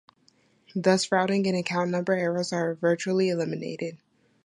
Thus routing and account number errors are virtually eliminated.